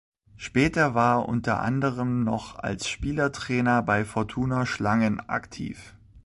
Später war er unter anderem noch als Spielertrainer bei Fortuna Schlangen aktiv.